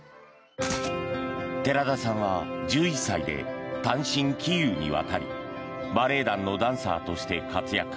寺田さんは１１歳で単身キーウに渡りバレエ団のダンサーとして活躍。